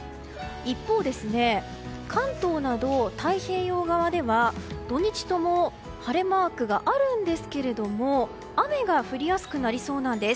一方、関東など太平洋側では土日とも晴れマークがあるんですけれども雨が降りやすくなりそうなんです。